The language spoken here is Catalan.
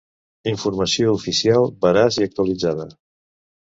Informació oficial, veraç i actualitzada.